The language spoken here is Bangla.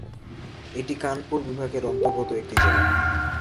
এটি কানপুর বিভাগের অন্তর্গত একটি জেলা।